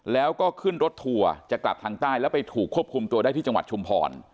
แล้วก็ขึ้นรถทัวร์จะกลับทางใต้แล้วไปถูกควบคุมตัวได้ที่จังหวัดชุมพร